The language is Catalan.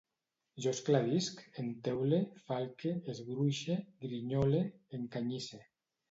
Jo esclarisc, enteule, falque, esgruixe, grinyole, encanyisse